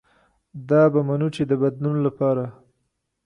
دا به منو چې د بدلون له پاره